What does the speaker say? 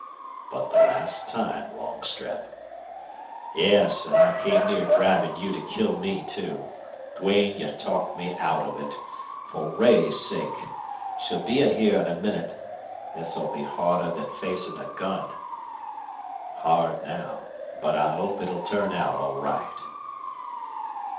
"But the last time, Longstreth." "Yes, and I came near driving you to kill me, too. Duane, you talked me out of it. For Ray's sake! She'll be in here in a minute. This'll be harder than facing a gun." "Hard now. But I hope it'll turn out all right."